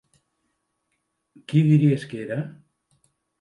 Qui diries que era?